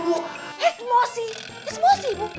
ya semua sih ya semua sih bu